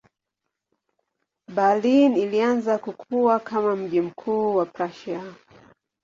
Berlin ilianza kukua kama mji mkuu wa Prussia.